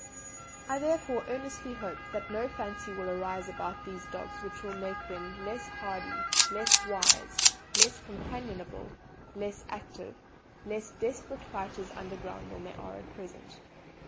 "I therefore earnestly hope that no fancy will arise about these dogs which will make them less hardy, less wise, less companionable, less active, or less desperate fighters underground than they are at present.